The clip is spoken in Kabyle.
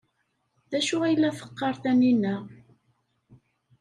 D acu ay la teqqar Tanina?